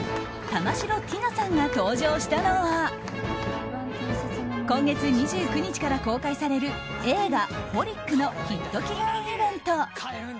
玉城ティナさんが登場したのは今月２９日から公開される映画「ホリック」のヒット祈願イベント。